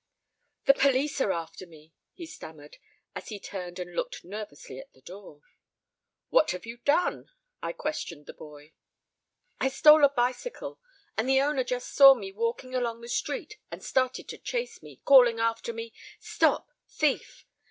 "The police are after me," he stammered, as he turned and looked nervously at the door. "What have you done?" I questioned the boy. "I stole a bicycle and the owner just saw me walking along the street and started to chase me, calling after me, 'Stop, thief!'